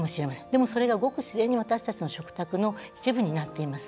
でも、それがごく自然に私たちの食卓の一部になっています。